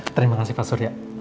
terima kasih pak surya